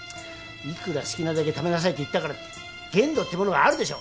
いくら好きなだけ食べなさいって言ったからって限度ってものがあるでしょう。